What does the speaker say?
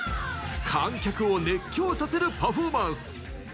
観客を熱狂させるパフォーマンス。